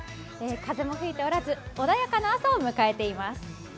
風も吹いておらず、穏やかな朝を迎えています。